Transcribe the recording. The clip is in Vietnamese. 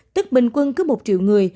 tức bình quân cứ một triệu người